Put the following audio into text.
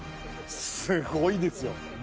すごいですよ！